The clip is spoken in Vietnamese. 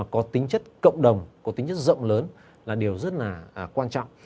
có tính chất cộng đồng có tính chất rộng lớn là điều rất là quan trọng